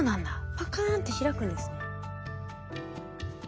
パカーンって開くんですね。